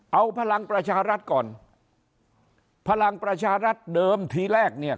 เอาพลังประชารัฐก่อนพลังประชารัฐเดิมทีแรกเนี่ย